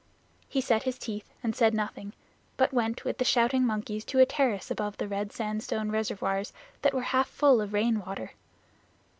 He set his teeth and said nothing, but went with the shouting monkeys to a terrace above the red sandstone reservoirs that were half full of rain water.